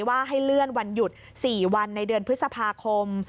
ว่าให้เลื่อนวันหยุด๔วันในเดือนพฤษภาคม